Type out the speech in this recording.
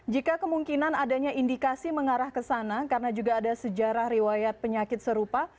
jika kemungkinan adanya indikasi mengarah ke sana karena juga ada sejarah riwayat penyakit serupa